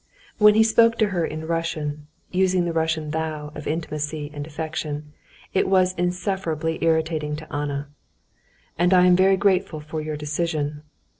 When he spoke to her in Russian, using the Russian "thou" of intimacy and affection, it was insufferably irritating to Anna. "And I am very grateful for your decision.